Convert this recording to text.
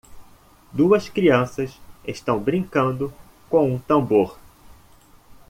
Duas crianças estão brincando com um tambor.